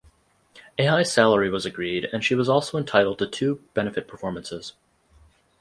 A high salary was agreed and she was also entitled to two benefit performances.